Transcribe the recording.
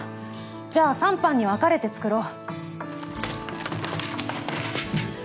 じゃあ３班に分かれて作ろう。